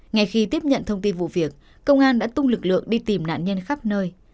ngay khi tiếp nhận thông tin vụ việc công an đã tung lực lượng đi tìm nạn nhân khắp nơi